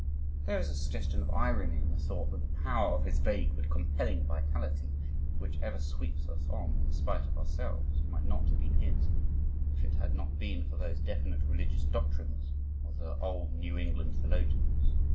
There is a suggestion of irony in the thought that the power of his vague but compelling vitality, which ever sweeps us on in spite of ourselves, might not have been his, if it had not been for those definite religious doctrines of the old New England theologians.